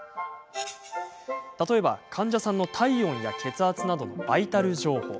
例えば、患者さんの体温や血圧などのバイタル情報。